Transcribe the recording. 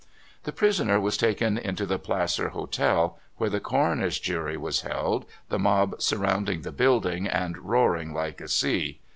The prisoner was taken into the Placer Hotel, where the coroner's jury was held, the mob sur rounding the building and roaring like a sea.